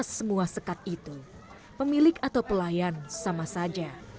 atas semua sekat itu pemilik atau pelayan sama saja